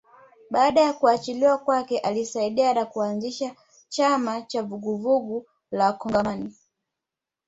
Baada ya kuachiliwa kwake alisaidiwa na kuanzisha chama cha Vuguvugu la Wakongomani